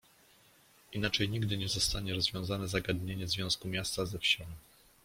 "Inaczej nigdy nie zostanie rozwiązane zagadnienie związku miasta ze wsią“."